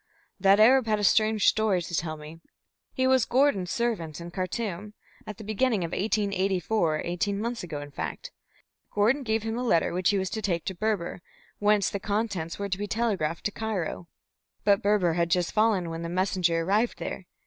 "That Arab had a strange story to tell me. He was Gordon's servant in Khartum. At the beginning of 1884, eighteen months ago in fact, Gordon gave him a letter which he was to take to Berber, whence the contents were to be telegraphed to Cairo. But Berber had just fallen when the messenger arrived there.